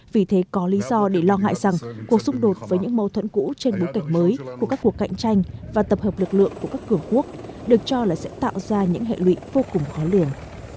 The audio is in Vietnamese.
vì thế có lý do để lo ngại rằng cuộc xung đột với những mâu thuẫn cũ trên bối cảnh mới của các cuộc cạnh tranh và tập hợp lực lượng của các cường quốc được cho là sẽ tạo ra những hệ lụy vô cùng khó lường